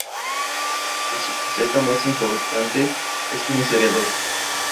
Pero su faceta más importante es como historiador.